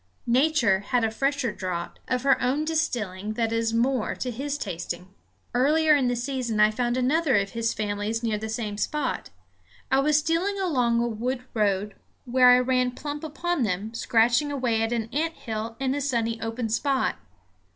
Nature has a fresher draught, of her own distilling, that is more to his tasting. Earlier in the season I found another of his families near the same spot. I was stealing along a wood road when I ran plump upon them, scratching away at an ant hill in a sunny open spot.